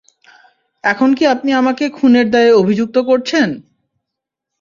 এখন কি আপনি আমাকে খুনের দায়ে অভিযুক্ত করছেন?